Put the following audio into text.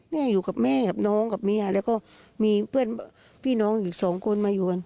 แม่อยู่กับแม่กับน้องกับเมียแล้วก็มีเพื่อนพี่น้องอีกสองคนมาอยู่กัน